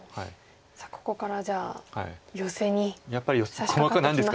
さあここからじゃあヨセにさしかかってきますね。